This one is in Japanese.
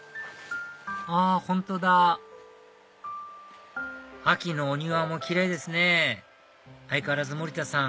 あ本当だ秋のお庭もキレイですね相変わらず森田さん